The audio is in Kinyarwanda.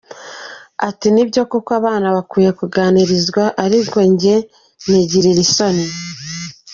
Ati: “Nibyo koko abana bakwiye kuganirizwa, ariko jye nigirira isoni.